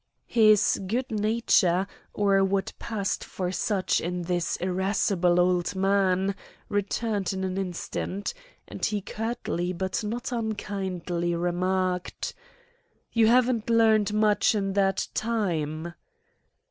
His good nature, or what passed for such in this irascible old man, returned in an instant; and he curtly but not unkindly remarked: "You haven't learned much in that time."